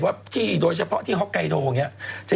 เห็นไหมแค่โฮแกโกหล่ะ